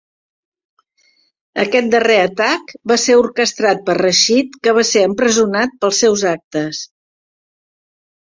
Aquest darrer atac va ser orquestrat per Rashid, que va ser empresonat pels seus actes.